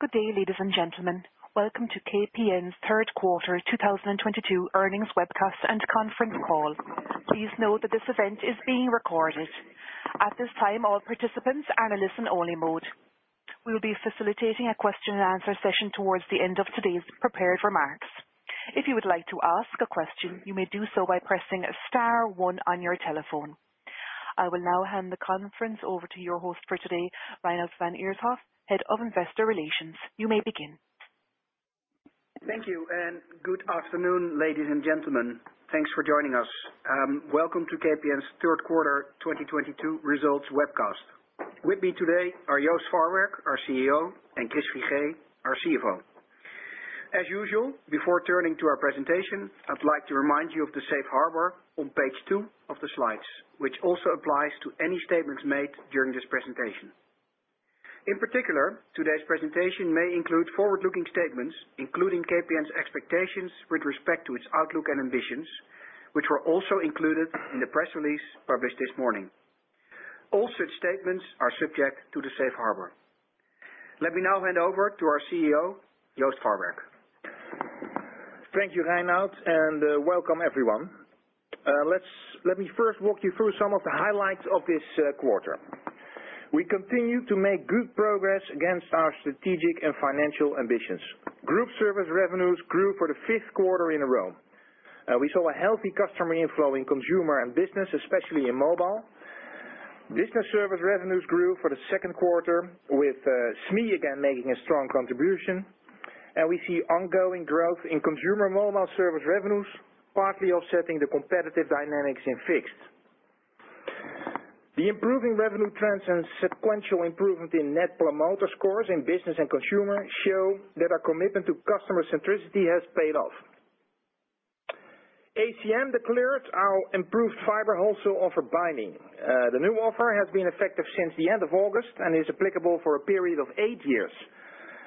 Good day, ladies and gentlemen. Welcome to KPN's Q3 2022 earnings webcast and conference call. Please note that this event is being recorded. At this time, all participants are in listen only mode. We will be facilitating a question and answer session towards the end of today's prepared remarks. If you would like to ask a question, you may do so by pressing * 1 on your telephone. I will now hand the conference over to your host for today, Reinout van Ierschot, Head of Investor Relations. You may begin. Thank you, and good afternoon, ladies and gentlemen. Thanks for joining us. Welcome to KPN's Q3 2022 results webcast. With me today are Joost Farwerck, our CEO, and Chris Figee, our CFO. As usual, before turning to our presentation, I'd like to remind you of the Safe Harbor on page 2 of the slides, which also applies to any statements made during this presentation. In particular, today's presentation may include forward-looking statements, including KPN's expectations with respect to its outlook and ambitions, which were also included in the press release published this morning. All such statements are subject to the Safe Harbor. Let me now hand over to our CEO, Joost Farwerck. Thank you, Reinout, and welcome everyone. Let me first walk you through some of the highlights of this quarter. We continue to make good progress against our strategic and financial ambitions. Group service revenues grew for the fifth quarter in a row. We saw a healthy customer inflow in consumer and business, especially in mobile. Business service revenues grew for the Q2 with SME again making a strong contribution, and we see ongoing growth in consumer mobile service revenues, partly offsetting the competitive dynamics in fixed. The improving revenue trends and sequential improvement in net promoter scores in business and consumer show that our commitment to customer centricity has paid off. ACM declared our improved fiber wholesale offer binding. The new offer has been effective since the end of August and is applicable for a period of eight years.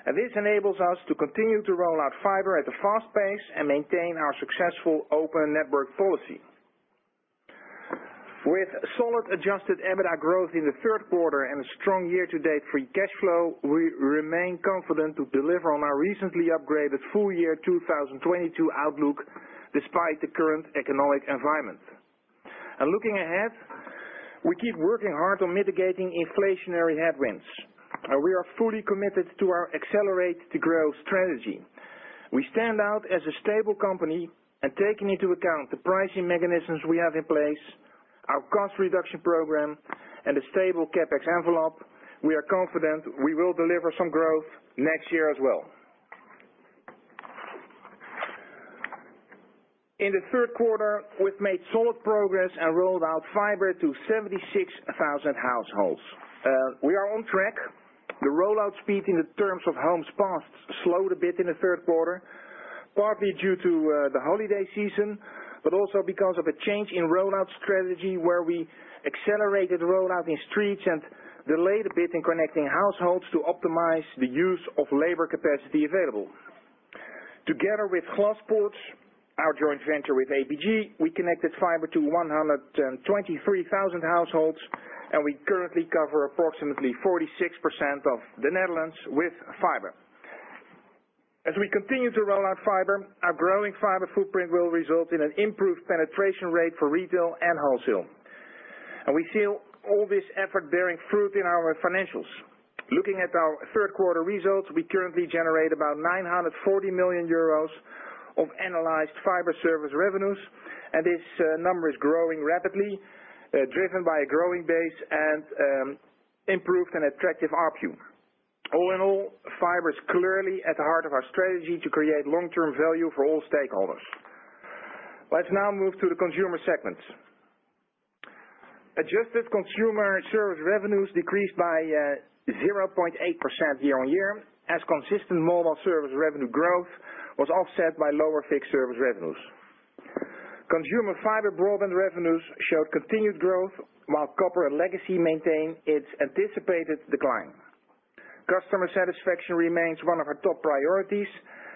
This enables us to continue to roll out fiber at a fast pace and maintain our successful open network policy. With solid adjusted EBITDA growth in the Q3 and a strong year-to-date free cash flow, we remain confident to deliver on our recently upgraded full year 2022 outlook despite the current economic environment. Looking ahead, we keep working hard on mitigating inflationary headwinds. We are fully committed to our accelerate to grow strategy. We stand out as a stable company and taking into account the pricing mechanisms we have in place, our cost reduction program and a stable CapEx envelope, we are confident we will deliver some growth next year as well. In the Q3, we've made solid progress and rolled out fiber to 76,000 households. We are on track. The rollout speed in terms of homes passed slowed a bit in the Q3, partly due to the holiday season, but also because of a change in rollout strategy where we accelerated rollout in streets and delayed a bit in connecting households to optimize the use of labor capacity available. Together with Glaspoort, our joint venture with APG, we connected fiber to 123,000 households, and we currently cover approximately 46% of the Netherlands with fiber. As we continue to roll out fiber, our growing fiber footprint will result in an improved penetration rate for retail and wholesale. We feel all this effort bearing fruit in our financials. Looking at our Q3 results, we currently generate about 940 million euros of annualized fiber service revenues, and this number is growing rapidly, driven by a growing base and improved and attractive ARPU. All in all, fiber is clearly at the heart of our strategy to create long-term value for all stakeholders. Let's now move to the consumer segment. Adjusted consumer service revenues decreased by 0.8% year-on-year as consistent mobile service revenue growth was offset by lower fixed service revenues. Consumer fiber broadband revenues showed continued growth while copper and legacy maintain its anticipated decline. Customer satisfaction remains one of our top priorities,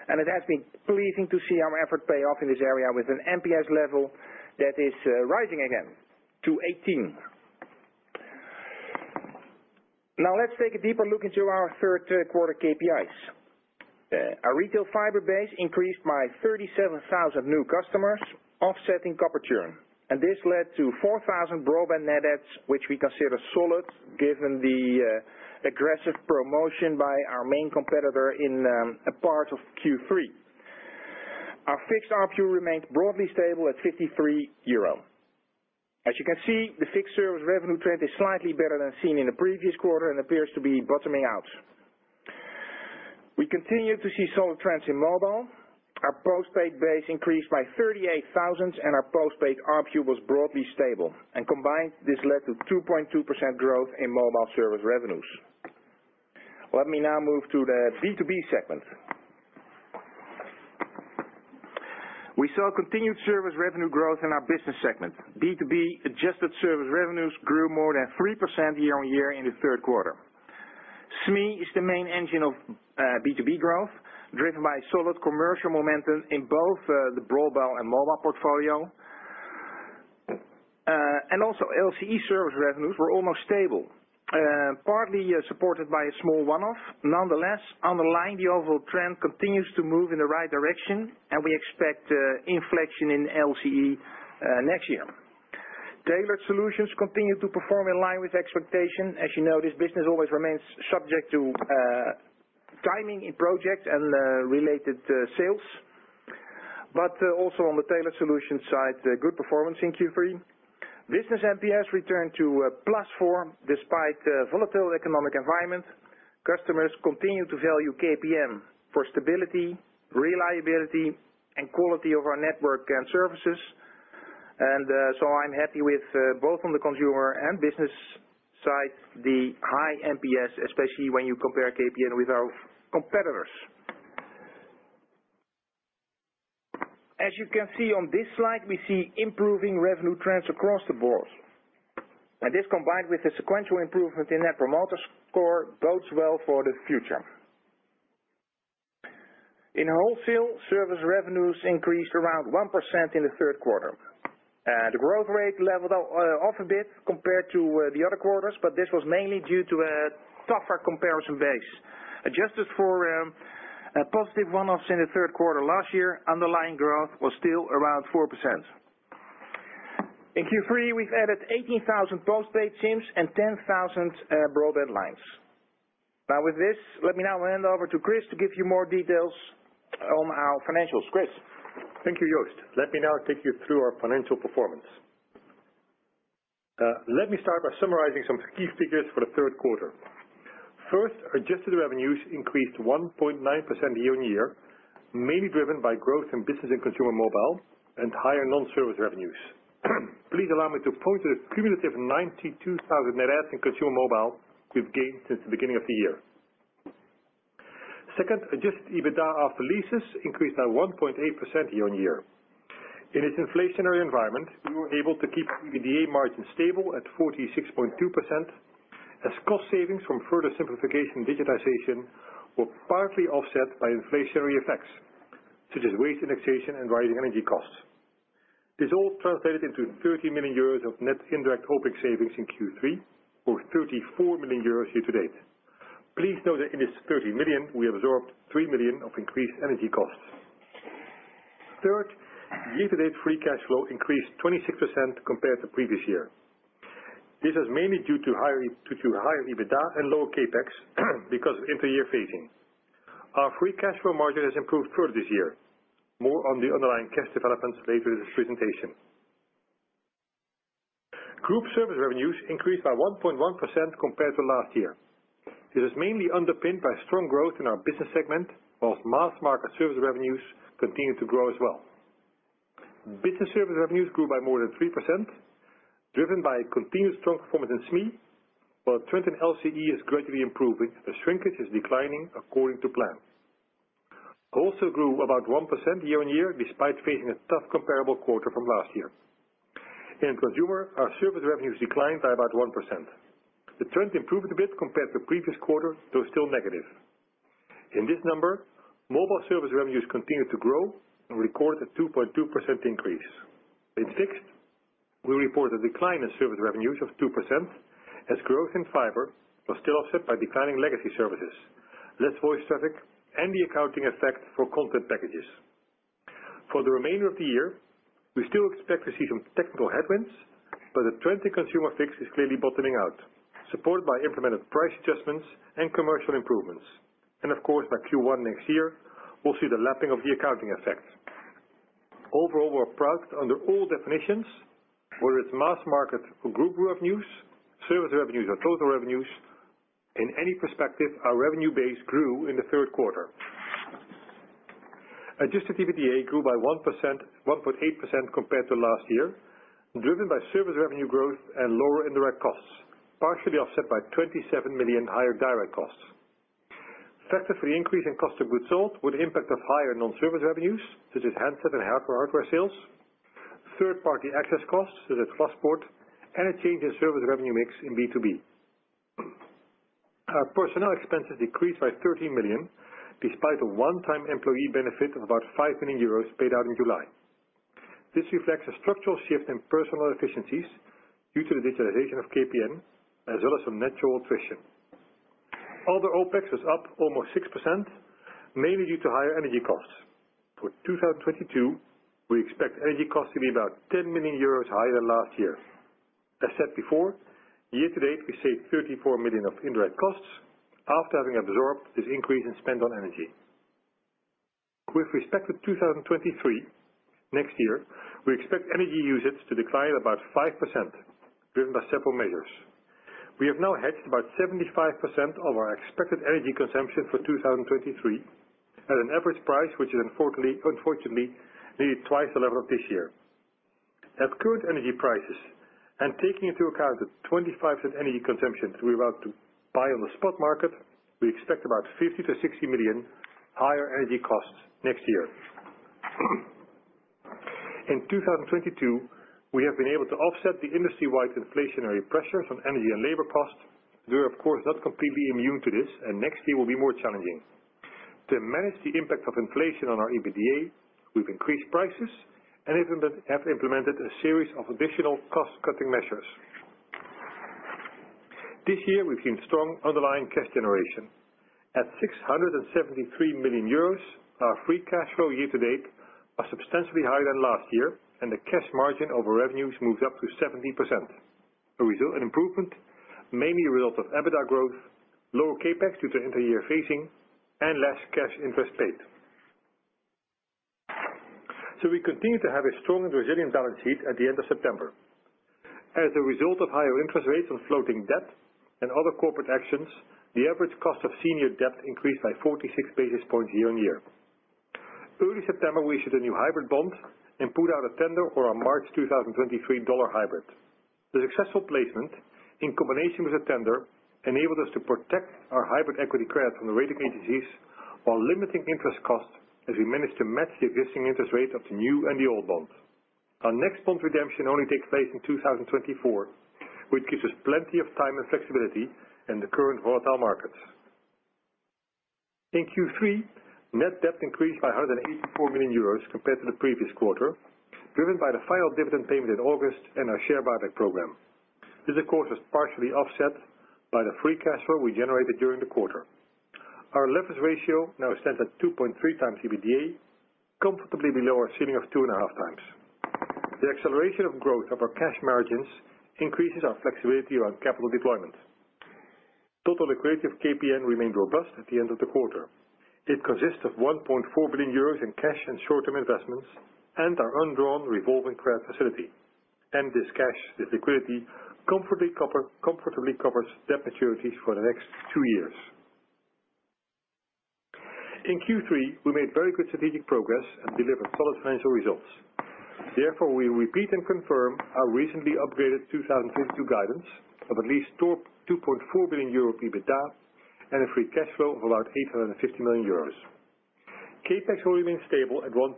and it has been pleasing to see our effort pay off in this area with an NPS level that is rising again to 18. Now, let's take a deeper look into our Q3 KPIs. Our retail fiber base increased by 37,000 new customers offsetting copper churn. This led to 4,000 broadband net adds, which we consider solid given the aggressive promotion by our main competitor in a part of Q3. Our fixed ARPU remained broadly stable at 53 euro. As you can see, the fixed service revenue trend is slightly better than seen in the previous quarter and appears to be bottoming out. We continue to see solid trends in mobile. Our postpaid base increased by 38,000, and our postpaid ARPU was broadly stable. Combined, this led to 2.2% growth in mobile service revenues. Let me now move to the B2B segment. We saw continued service revenue growth in our business segment. B2B adjusted service revenues grew more than 3% year-on-year in the Q3. SME is the main engine of B2B growth, driven by solid commercial momentum in both the broadband and mobile portfolio. LCE service revenues were almost stable, partly supported by a small one-off. Nonetheless, underlying the overall trend continues to move in the right direction, and we expect inflection in LCE next year. Tailored solutions continue to perform in line with expectation. As you know, this business always remains subject to timing in projects and related sales, but also on the tailored solution side, a good performance in Q3. Business NPS returned to +4 despite the volatile economic environment. Customers continue to value KPN for stability, reliability and quality of our network and services. I'm happy with both on the consumer and business side, the high NPS, especially when you compare KPN with our competitors. As you can see on this slide, we see improving revenue trends across the board. This, combined with the sequential improvement in Net Promoter Score bodes well for the future. In wholesale, service revenues increased around 1% in the Q3. The growth rate leveled off a bit compared to the other quarters, but this was mainly due to a tougher comparison base. Adjusted for positive one-offs in the Q3 last year, underlying growth was still around 4%. In Q3, we've added 18,000 post-paid SIMs and 10,000 broadband lines. Now, with this, let me now hand over to Chris to give you more details on our financials. Chris? Thank you, Joost. Let me now take you through our financial performance. Let me start by summarizing some key figures for the Q3. First, adjusted revenues increased 1.9% year-on-year, mainly driven by growth in business and consumer mobile and higher non-service revenues. Please allow me to point to the cumulative 92,000 net adds in consumer mobile we've gained since the beginning of the year. Second, adjusted EBITDA after leases increased by 1.8% year-on-year. In this inflationary environment, we were able to keep EBITDA margins stable at 46.2% as cost savings from further simplification and digitization were partly offset by inflationary effects, such as wage indexation and rising energy costs. This all translated into 30 million euros of net indirect OpEx savings in Q3, or 34 million euros year-to-date. Please note that in this 30 million, we absorbed 3 million of increased energy costs. Third, year-to-date free cash flow increased 26% compared to previous year. This is mainly due to higher EBITDA and lower CapEx because of inter-year phasing. Our free cash flow margin has improved further this year. More on the underlying cash developments later in this presentation. Group service revenues increased by 1.1% compared to last year. It is mainly underpinned by strong growth in our business segment, while mass market service revenues continued to grow as well. Business service revenues grew by more than 3%, driven by continued strong performance in SME. While the trend in LCE is gradually improving, the shrinkage is declining according to plan. Wholesale grew about 1% year-on-year despite facing a tough comparable quarter from last year. In consumer, our service revenues declined by about 1%. The trend improved a bit compared to previous quarter, though still negative. In this number, mobile service revenues continued to grow and record a 2.2% increase. In fixed, we report a decline in service revenues of 2% as growth in fiber was still offset by declining legacy services, less voice traffic and the accounting effect for content packages. For the remainder of the year, we still expect to see some technical headwinds, but the trend in consumer fixed is clearly bottoming out, supported by implemented price adjustments and commercial improvements. Of course, by Q1 next year, we'll see the lapping of the accounting effect. Overall, we're proud under all definitions, whether it's mass market or group revenues, service revenues or total revenues, in any perspective, our revenue base grew in the Q3. Adjusted EBITDA grew by 1%, 1.8% compared to last year, driven by service revenue growth and lower indirect costs, partially offset by 27 million higher direct costs. Factors for the increase in cost of goods sold were the impact of higher non-service revenues, such as handset and hardware sales, third-party access costs such as cross-connect, and a change in service revenue mix in B2B. Our personnel expenses decreased by 13 million, despite a one-time employee benefit of about 5 million euros paid out in July. This reflects a structural shift in personnel efficiencies due to the digitalization of KPN, as well as some natural attrition. Although OpEx was up almost 6%, mainly due to higher energy costs. For 2022, we expect energy costs to be about 10 million euros higher than last year. As said before, year-to-date, we saved 34 million of indirect costs after having absorbed this increase in spend on energy. With respect to 2023, next year, we expect energy usage to decline about 5%, driven by several measures. We have now hedged about 75% of our expected energy consumption for 2023 at an average price which is unfortunately nearly twice the level of this year. At current energy prices, and taking into account the 25% energy consumption we want to buy on the spot market, we expect about 50-60 million higher energy costs next year. In 2022, we have been able to offset the industry-wide inflationary pressures on energy and labor costs. We are, of course, not completely immune to this, and next year will be more challenging. To manage the impact of inflation on our EBITDA, we've increased prices and even have implemented a series of additional cost-cutting measures. This year, we've seen strong underlying cash generation. At 673 million euros, our free cash flow year-to-date are substantially higher than last year, and the cash margin over revenues moves up to 70%. An improvement mainly a result of EBITDA growth, lower CapEx due to inter-year phasing and less cash interest paid. We continue to have a strong and resilient balance sheet at the end of September. As a result of higher interest rates on floating debt and other corporate actions, the average cost of senior debt increased by 46 basis points year-on-year. Early September, we issued a new hybrid bond and put out a tender for our March 2023 dollar hybrid. The successful placement in combination with the tender enabled us to protect our hybrid equity credit from the rating agencies, while limiting interest costs as we managed to match the existing interest rate of the new and the old bond. Our next bond redemption only takes place in 2024, which gives us plenty of time and flexibility in the current volatile markets. In Q3, net debt increased by 184 million euros compared to the previous quarter, driven by the final dividend payment in August and our share buyback program. This, of course, was partially offset by the free cash flow we generated during the quarter. Our leverage ratio now stands at 2.3 times EBITDA, comfortably below our ceiling of 2.5 times. The acceleration of growth of our cash margins increases our flexibility around capital deployment. Total liquidity of KPN remained robust at the end of the quarter. It consists of 1.4 billion euros in cash and short-term investments and our undrawn revolving credit facility. This cash, this liquidity comfortably covers debt maturities for the next two years. In Q3, we made very good strategic progress and delivered solid financial results. Therefore, we repeat and confirm our recently upgraded 2022 guidance of at least 2.4 billion euro EBITDA and a free cash flow of about 850 million euros. CapEx will remain stable at 1.2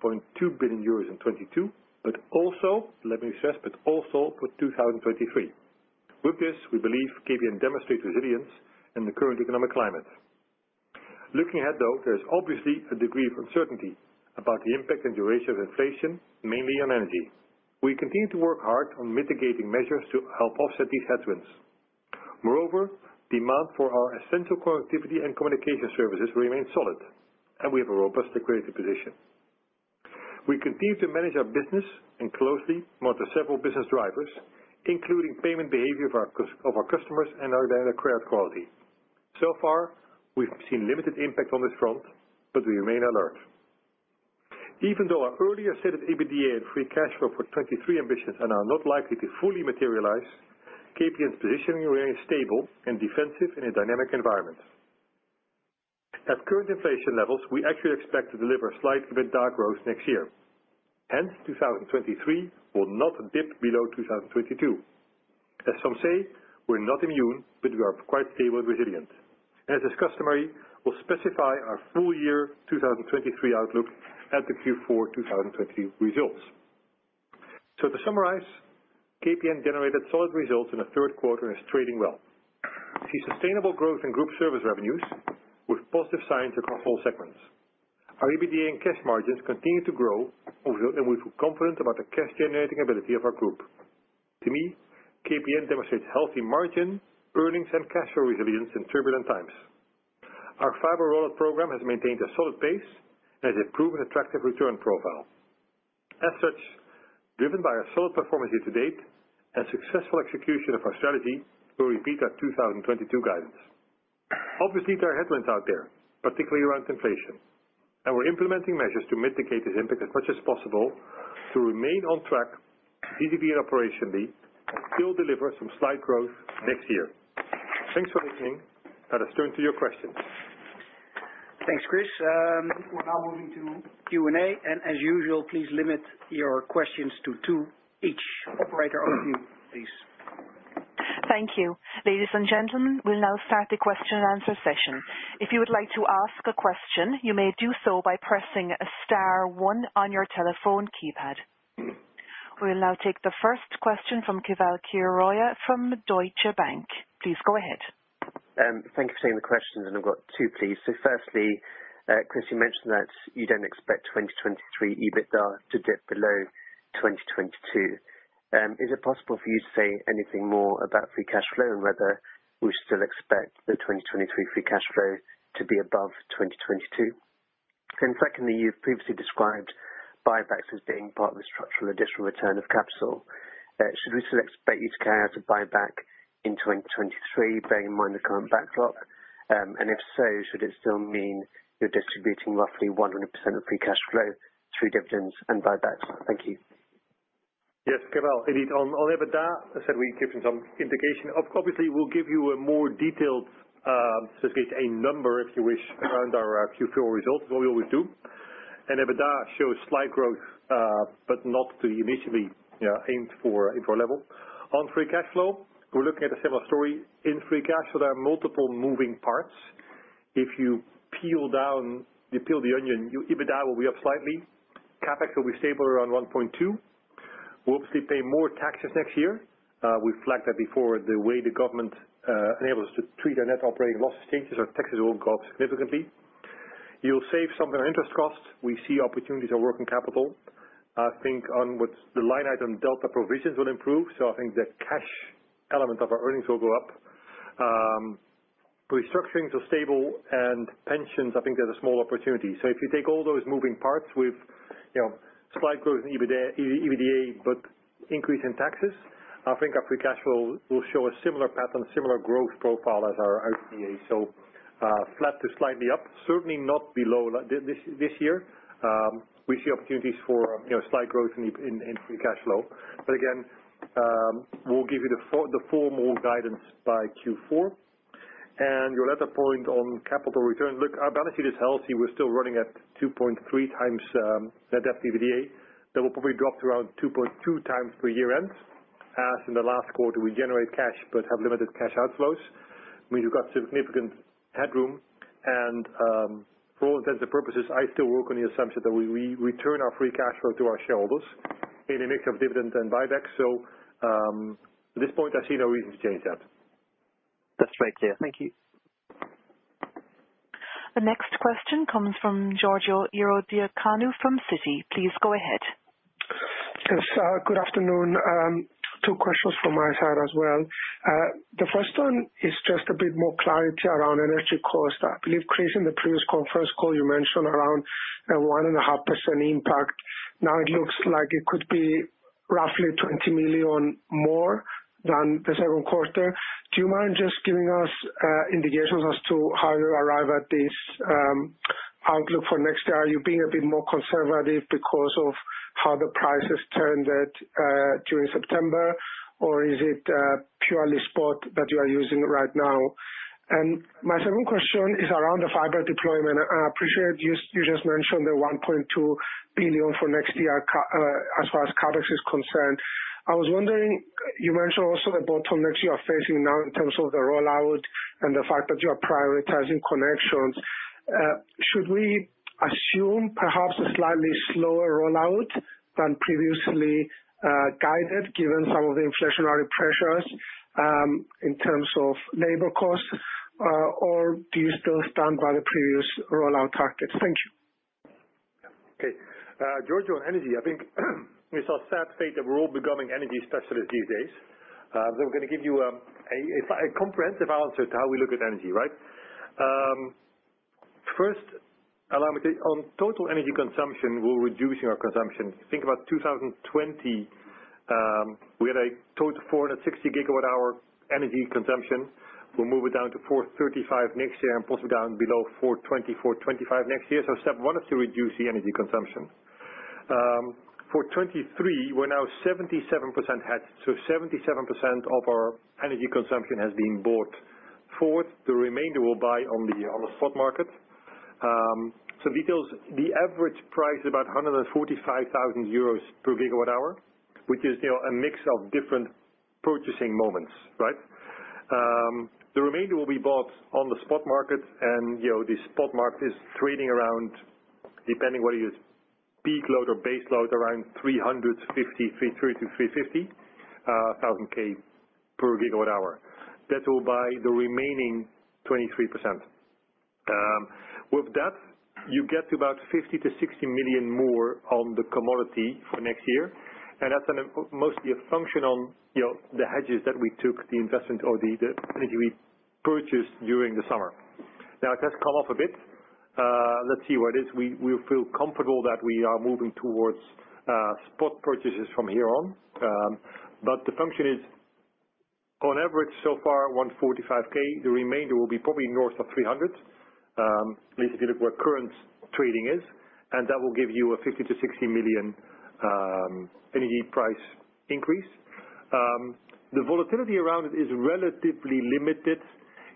billion euros in 2022, but also, let me stress, but also for 2023. With this, we believe KPN demonstrates resilience in the current economic climate. Looking ahead, though, there is obviously a degree of uncertainty about the impact and duration of inflation, mainly on energy. We continue to work hard on mitigating measures to help offset these headwinds. Moreover, demand for our essential connectivity and communication services remains solid, and we have a robust liquidity position. We continue to manage our business and closely monitor several business drivers, including payment behavior of our customers and our dynamic credit quality. So far, we've seen limited impact on this front, but we remain alert. Even though our earlier set of EBITDA and free cash flow for 2023 ambitions are now not likely to fully materialize, KPN's positioning remains stable and defensive in a dynamic environment. At current inflation levels, we actually expect to deliver slight EBITDA growth next year. Hence 2023 will not dip below 2022. As some say, we're not immune, but we are quite stable and resilient. As is customary, we'll specify our full year 2023 outlook at the Q4 2020 results. To summarize, KPN generated solid results in the Q3 and is trading well. We see sustainable growth in group service revenues with positive signs across all segments. Our EBITDA and cash margins continue to grow, and we feel confident about the cash generating ability of our group. To me, KPN demonstrates healthy margin, earnings and cash flow resilience in turbulent times. Our fiber rollout program has maintained a solid pace and has a proven attractive return profile. As such, driven by our solid performance year-to-date and successful execution of our strategy, we repeat our 2022 guidance. Obviously, there are headwinds out there, particularly around inflation, and we're implementing measures to mitigate this impact as much as possible to remain on track financially and operationally, and still deliver some slight growth next year. Thanks for listening. Let us turn to your questions. Thanks, Chris. We're now moving to Q&A, and as usual, please limit your questions to two each. Operator, over to you, please. Thank you. Ladies and gentlemen, we'll now start the question and answer session. If you would like to ask a question, you may do so by pressing * 1 on your telephone keypad. We will now take the first question from Keval Khiroya from Deutsche Bank. Please go ahead. Thank you for taking the questions, and I've got two, please. Firstly, Chris, you mentioned that you don't expect 2023 EBITDA to dip below 2022. Is it possible for you to say anything more about free cash flow and whether we still expect the 2023 free cash flow to be above 2022? Secondly, you've previously described buybacks as being part of the structural additional return of capital. Should we still expect you to carry out a buyback in 2023, bearing in mind the current backlog? If so, should it still mean you're distributing roughly 100% of free cash flow through dividends and buybacks? Thank you. Yes, Keval. Indeed, on EBITDA, I said we've given some indication. Obviously, we'll give you a more detailed, specific, a number, if you wish, around our Q4 results, as we always do. EBITDA shows slight growth, but not to the initially, yeah, aimed for level. On free cash flow, we're looking at a similar story. In free cash flow, there are multiple moving parts. If you peel down, you peel the onion, your EBITDA will be up slightly. CapEx will be stable around 1.2. We'll obviously pay more taxes next year. We flagged that before. The way the government enables us to treat our net operating loss changes, our taxes will go up significantly. You'll save some of our interest costs. We see opportunities on working capital. I think on what the line item delta provisions will improve. I think the cash element of our earnings will go up. Restructurings are stable, and pensions, I think there's a small opportunity. If you take all those moving parts with, you know, slight growth in EBITDA but increase in taxes, I think our free cash flow will show a similar pattern, similar growth profile as our EBITDA. Flat to slightly up, certainly not below this year. We see opportunities for slight growth in free cash flow. Again, we'll give you the formal guidance by Q4. Your other point on capital return. Look, our balance sheet is healthy. We're still running at 2.3 times net debt EBITDA. That will probably drop to around 2.2 times by year-end, as in the last quarter, we generate cash but have limited cash outflows. I mean, you've got significant headroom and, for all intents and purposes, I still work on the assumption that we return our free cash flow to our shareholders in a mix of dividend and buyback. At this point I see no reason to change that. That's very clear. Thank you. The next question comes from Georgios Ierodiaconou from Citi. Please go ahead. Yes. Good afternoon. Two questions from my side as well. The first one is just a bit more clarity around energy cost. I believe, Chris, in the previous conference call you mentioned around a 1.5% impact. Now it looks like it could be roughly 20 million more than the Q2. Do you mind just giving us indications as to how you arrive at this outlook for next year? Are you being a bit more conservative because of how the prices turned at during September? Or is it purely spot that you are using right now? My second question is around the fiber deployment. I appreciate you just mentioned the 1.2 billion for next year as far as CapEx is concerned. I was wondering, you mentioned also the bottlenecks you are facing now in terms of the rollout and the fact that you are prioritizing connections. Should we assume perhaps a slightly slower rollout than previously guided, given some of the inflationary pressures in terms of labor costs? Or do you still stand by the previous rollout targets? Thank you. Okay. Georgios Ierodiaconou, on energy, I think it's our sad fate that we're all becoming energy specialists these days. I'm gonna give you a comprehensive answer to how we look at energy, right? On total energy consumption, we're reducing our consumption. Think about 2020. We had a total 460 GWh energy consumption. We'll move it down to 435 next year and possibly down below 420-425 next year. Step one is to reduce the energy consumption. For 2023, we're now 77% hedged, so 77% of our energy consumption has been bought forward. The remainder we'll buy on the spot market. Some details. The average price is about 145,000 euros per GWh, which is, you know, a mix of different purchasing moments, right? The remainder will be bought on the spot market. You know, the spot market is trading around, depending whether you use peak load or base load, around 330,000-350,000 per GWh. That will buy the remaining 23%. With that, you get to about 50-60 million more on the commodity for next year. That's mostly a function of, you know, the hedges that we took, the energy we purchased during the summer. Now it has come off a bit. Let's see where it is. We feel comfortable that we are moving towards spot purchases from here on. The futures is on average so far, 145K. The remainder will be probably north of 300. At least if you look where current trading is, that will give you a 50-60 million energy price increase. The volatility around it is relatively limited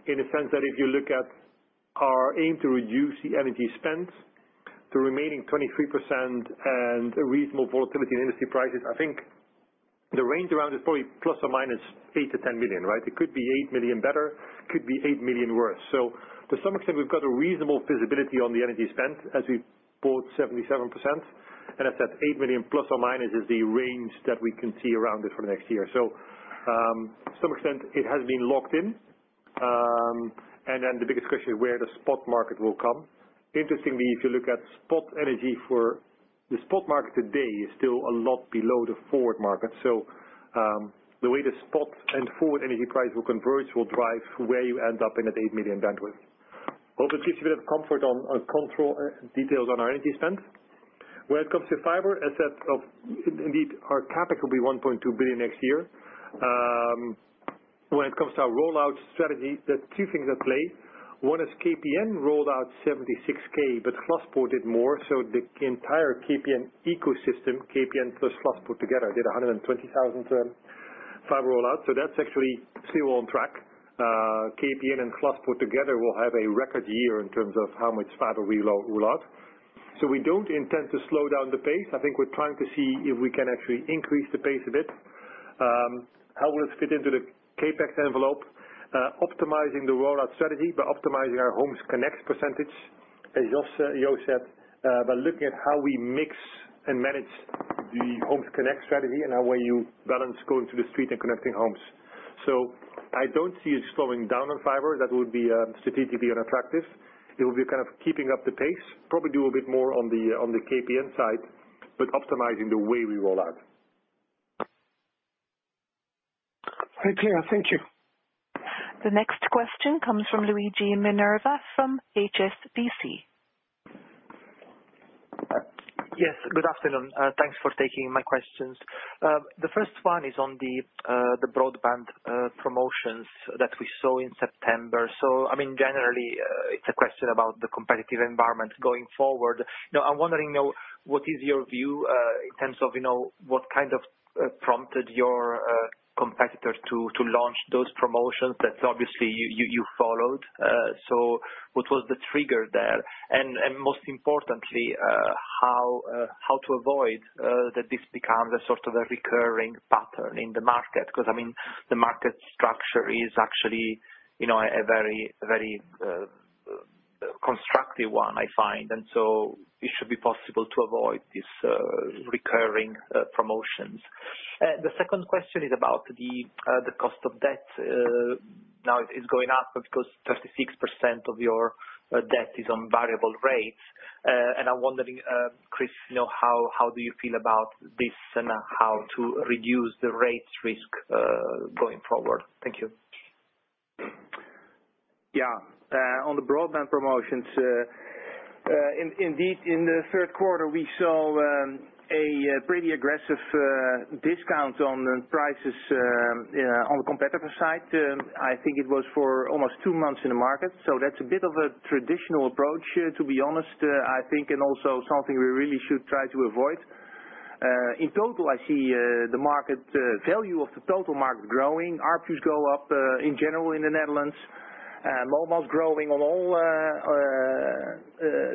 in the sense that if you look at our aim to reduce the energy spend, the remaining 23% and reasonable volatility in energy prices, I think the range around is probably ± 8-10 million, right? It could be 8 million better, could be 8 million worse. To some extent, we've got a reasonable visibility on the energy spend as we've bought 77%. As I said, 8 million ± is the range that we can see around it for next year. To some extent it has been locked in. The biggest question is where the spot market will come. Interestingly, if you look at spot energy for the spot market today is still a lot below the forward market. The way the spot and forward energy price will converge will drive where you end up in that 8 million bandwidth. Hope it gives you a bit of comfort on control details on our energy spend. When it comes to fiber, indeed, our CapEx will be 1.2 billion next year. When it comes to our rollout strategy, there are two things at play. One is KPN rolled out 76,000, but Glaspoort did more. The entire KPN ecosystem, KPN plus Glaspoort together did 120,000 fiber rollout. That's actually still on track. KPN and Glaspoort together will have a record year in terms of how much fiber we roll out. We don't intend to slow down the pace. I think we're trying to see if we can actually increase the pace a bit. How will it fit into the CapEx envelope? Optimizing the rollout strategy by optimizing our Homes Connect percentage, as Joost said, by looking at how we mix and manage the Homes Connect strategy and how well you balance going to the street and connecting homes. I don't see us slowing down on fiber. That would be strategically unattractive. It will be kind of keeping up the pace. Probably do a bit more on the KPN side, but optimizing the way we roll out. Very clear. Thank you. The next question comes from Luigi Minerva from HSBC. Yes, good afternoon. Thanks for taking my questions. The first one is on the broadband promotions that we saw in September. I mean, generally, it's a question about the competitive environment going forward. You know, I'm wondering, you know, what is your view, in terms of, you know, what kind of prompted your competitor to launch those promotions that obviously you followed? What was the trigger there? Most importantly, how to avoid that this becomes a sort of a recurring pattern in the market? Because, I mean, the market structure is actually, you know, a very constructive one, I find. It should be possible to avoid this recurring promotions. The second question is about the cost of debt now is going up because 36% of your debt is on variable rates. I'm wondering, Chris, you know, how do you feel about this and how to reduce the rates risk going forward? Thank you. Yeah. On the broadband promotions, indeed, in the Q3 we saw a pretty aggressive discount on prices, yeah, on the competitor side. I think it was for almost two months in the market, so that's a bit of a traditional approach, to be honest, I think, and also something we really should try to avoid. In total, I see the market value of the total market growing. ARPU's go up in general in the Netherlands. Mobile's growing on all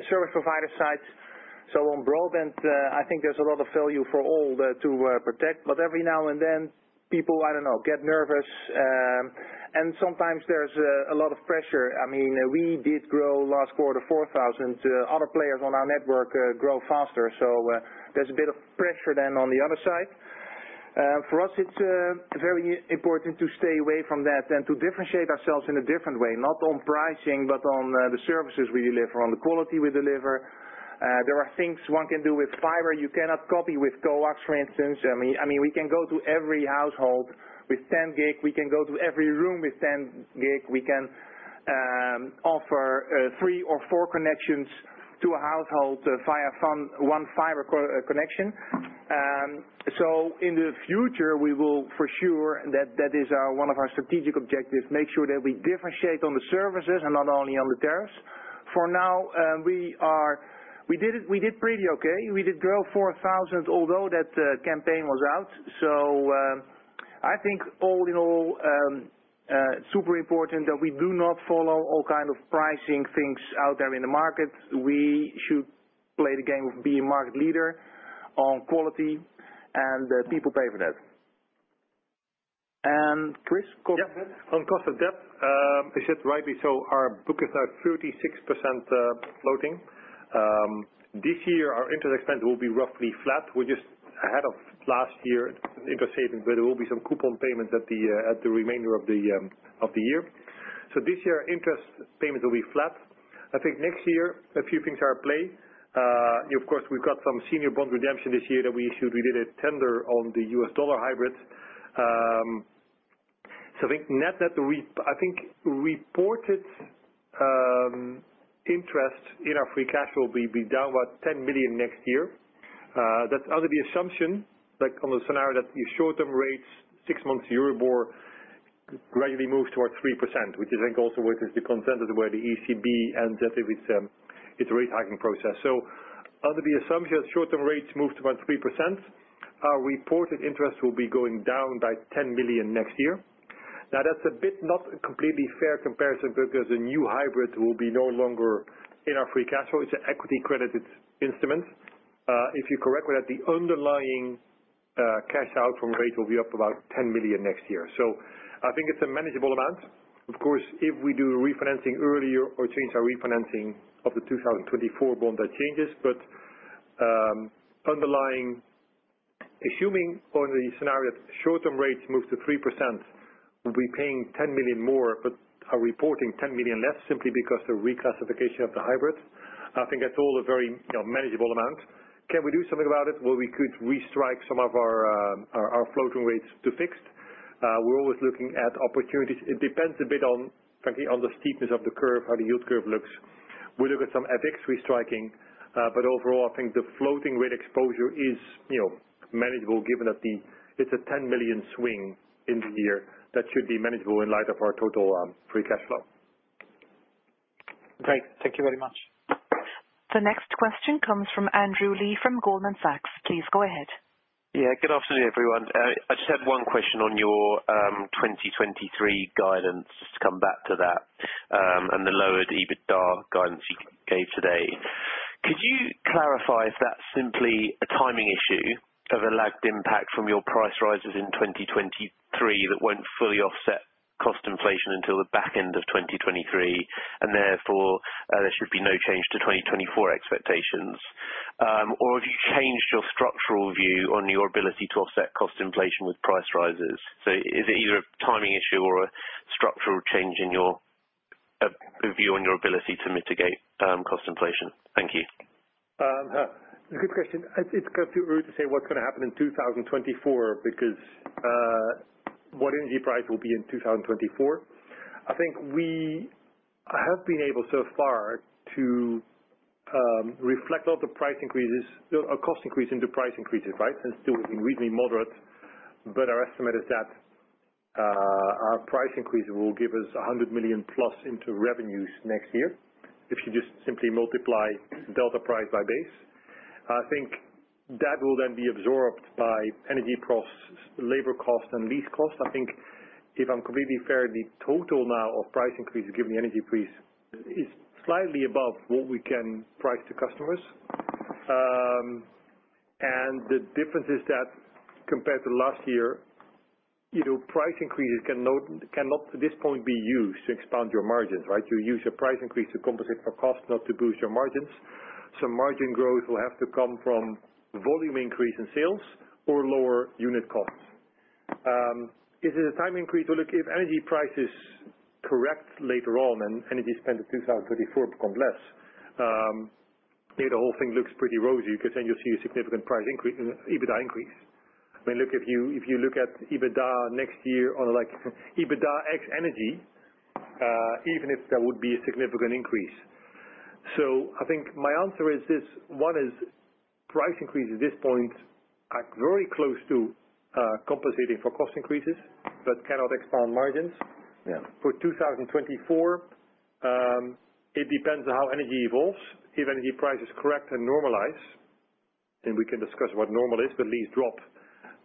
service provider sides. On broadband, I think there's a lot of value for all to protect. But every now and then, people, I don't know, get nervous. Sometimes there's a lot of pressure. I mean, we did grow last quarter, 4,000. Other players on our network grow faster. There's a bit of pressure then on the other side. For us, it's very important to stay away from that and to differentiate ourselves in a different way, not on pricing, but on the services we deliver, on the quality we deliver. There are things one can do with fiber you cannot copy with coax, for instance. I mean, we can go to every household with 10GB. We can go to every room with 10GB. We can offer 3 or 4 connections to a household via one fiber connection. In the future, we will for sure, that is one of our strategic objectives, make sure that we differentiate on the services and not only on the tariffs. For now, we did pretty okay. We did grow 4,000, although that campaign was out. I think all in all, super important that we do not follow all kind of pricing things out there in the market. We should play the game of being market leader on quality, and people pay for that. Chris, cost of debt? Yeah. On cost of debt, you said rightly so, our book is at 36%, floating. This year our interest expense will be roughly flat. We're just ahead of last year interest savings, but there will be some coupon payments at the remainder of the year. This year, interest payments will be flat. I think next year a few things are at play. Of course, we've got some senior bond redemption this year that we issued. We did a tender on the US dollar hybrids. I think net-net we reported interest in our free cash flow will be down about 10 million next year. That's under the assumption that in the scenario that the short-term rates six-month Euribor gradually moves towards 3%, which I think also is the consensus where the ECB ends up with its rate hiking process. Under the assumption short-term rates move to about 3%, our reported interest will be going down by 10 million next year. Now, that's a bit not a completely fair comparison because the new hybrids will be no longer in our free cash flow. It's an equity credited instrument. If you correct for that, the underlying cash out from rates will be up about 10 million next year. I think it's a manageable amount. Of course, if we do refinancing earlier or change our refinancing of the 2024 bond, that changes. Underlying, assuming on the scenario that short-term rates move to 3%, we'll be paying 10 million more, but are reporting 10 million less simply because the reclassification of the hybrids. I think that's all a very, you know, manageable amount. Can we do something about it? Well, we could restrike some of our floating rates to fixed. We're always looking at opportunities. It depends a bit on, frankly, on the steepness of the curve, how the yield curve looks. We look at some Euribor restriking, but overall, I think the floating rate exposure is, you know, manageable given that it's a 10 million swing in the year that should be manageable in light of our total free cash flow. Great. Thank you very much. The next question comes from Andrew Lee from Goldman Sachs. Please go ahead. Yeah. Good afternoon, everyone. I just had one question on your 2023 guidance, to come back to that, and the lowered EBITDA guidance you gave today. Could you clarify if that's simply a timing issue of a lagged impact from your price rises in 2023 that won't fully offset cost inflation until the back end of 2023, and therefore, there should be no change to 2024 expectations? Or have you changed your structural view on your ability to offset cost inflation with price rises? Is it either a timing issue or a structural change in your view on your ability to mitigate cost inflation? Thank you. Good question. It's too early to say what's gonna happen in 2024 because what energy price will be in 2024. I think we have been able so far to reflect all the price increases or cost increases into price increases, right? Still reasonably moderate. Our estimate is that our price increase will give us 100 million plus into revenues next year. If you just simply multiply delta price by base. I think that will then be absorbed by energy costs, labor costs, and lease costs. I think if I'm completely fair, the total now of price increases given the energy increase is slightly above what we can price to customers. The difference is that compared to last year, price increases cannot at this point be used to expand your margins, right? You use your price increase to compensate for cost, not to boost your margins. Margin growth will have to come from volume increase in sales or lower unit costs. Look if energy prices correct later on and if your spend in 2024 becomes less, the whole thing looks pretty rosy because then you'll see a significant price increase, EBITDA increase. I mean, look, if you look at EBITDA next year on like EBITDA ex energy, even if there would be a significant increase. I think my answer is this. One is price increases at this point are very close to compensating for cost increases, but cannot expand margins. Yeah. For 2024, it depends on how energy evolves. If energy prices correct and normalize, then we can discuss what normal is, the lease drops,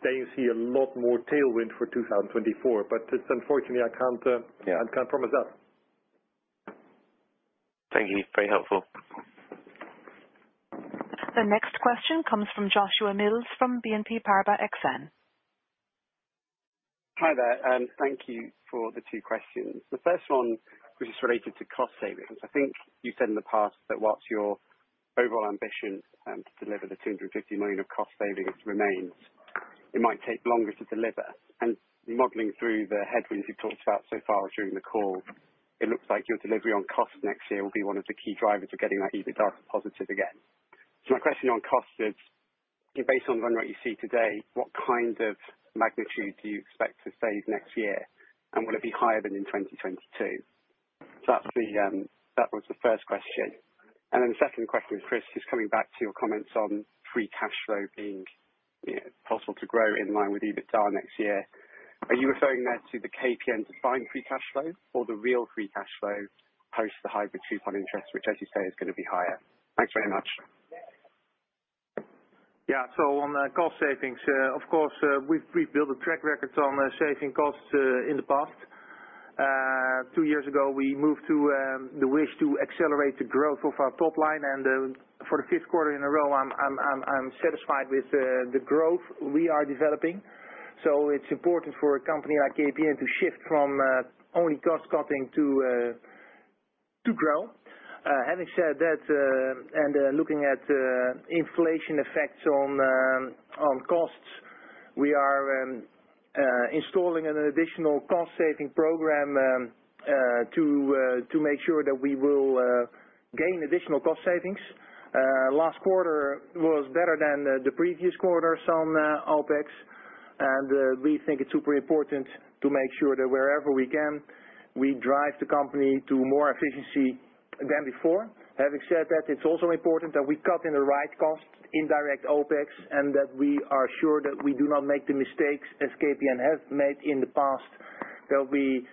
then you see a lot more tailwind for 2024. Unfortunately, I can't promise that. Thank you. Very helpful. The next question comes from Joshua Mills from BNP Paribas Exane. Hi there, thank you for the two questions. The first one, which is related to cost savings. I think you said in the past that while your overall ambition to deliver the 250 million of cost savings remains, it might take longer to deliver. Modeling through the headwinds you've talked about so far during the call, it looks like your delivery on costs next year will be one of the key drivers of getting that EBITDA positive again. My question on costs is, based on run rate you see today, what kind of magnitude do you expect to save next year? Will it be higher than in 2022? That's the first question. The second question, Chris, is coming back to your comments on free cash flow being possible to grow in line with EBITDA next year. Are you referring there to the KPN defined free cash flow or the real free cash flow post the hybrid coupon interest, which as you say, is gonna be higher? Thanks very much. Yeah. On the cost savings, of course, we've built a track record on saving costs in the past. Two years ago, we moved to the wish to accelerate the growth of our top line. For the fifth quarter in a row, I'm satisfied with the growth we are developing. It's important for a company like KPN to shift from only cost cutting to grow. Having said that, and looking at inflation effects on costs, we are installing an additional cost saving program to make sure that we will gain additional cost savings. Last quarter was better than the previous quarters on OpEx, and we think it's super important to make sure that wherever we can, we drive the company to more efficiency than before. Having said that, it's also important that we cut in the right cost, indirect OpEx, and that we are sure that we do not make the mistakes as KPN has made in the past, that we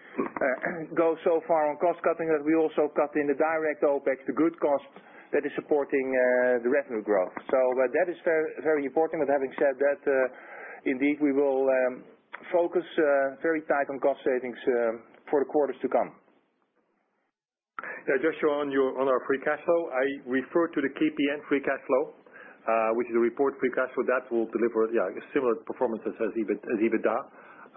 go so far on cost cutting, that we also cut in the direct OpEx, the good cost that is supporting the revenue growth. That is very, very important. Having said that, indeed we will focus very tight on cost savings for the quarters to come. Yeah, just shown on your, on our free cash flow, I refer to the KPN free cash flow, which is a reported free cash flow that will deliver similar performances as EBITDA.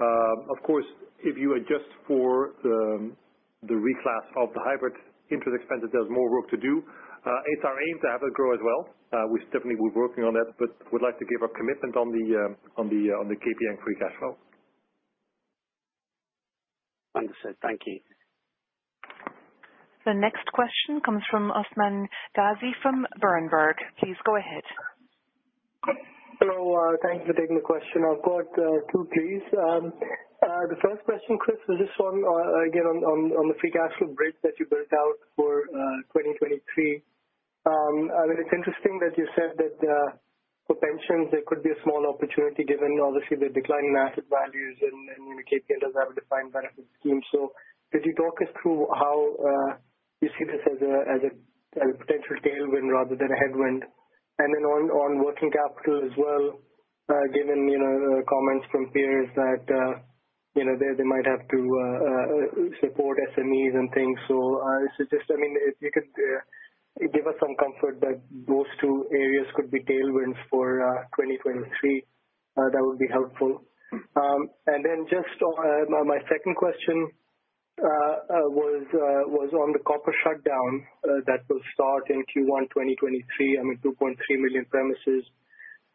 Of course, if you adjust for the reclass of the hybrid interest expenses, there's more work to do. It's our aim to have it grow as well. We definitely will be working on that, but would like to give a commitment on the KPN free cash flow. Understood. Thank you. The next question comes from Usman Ghazi from Berenberg. Please go ahead. Hello. Thank you for taking the question. I've got two please. The first question, Chris, is just on, again, on the free cash flow bridge that you built out for 2023. I mean, it's interesting that you said that for pensions there could be a small opportunity given obviously the decline in asset values and KPN does have a defined benefit scheme. Could you talk us through how you see this as a potential tailwind rather than a headwind? And then on working capital as well, given you know the comments from peers that you know they might have to support SMEs and things. It's just, I mean, if you could give us some comfort that those two areas could be tailwinds for 2023, that would be helpful. My second question was on the copper shutdown that will start in Q1 2023, I mean, 2.3 million premises.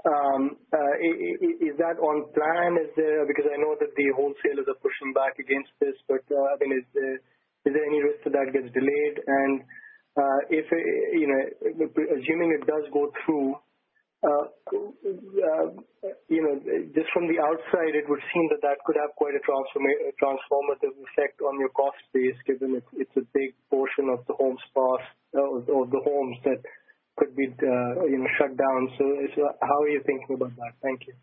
Is that on plan? Is there? Because I know that the wholesalers are pushing back against this. I mean, is there any risk that that gets delayed? If you know, assuming it does go through, you know, just from the outside, it would seem that that could have quite a transformative effect on your cost base, given it's a big portion of the homes passed or the homes that could be shut down. How are you thinking about that? Thank you.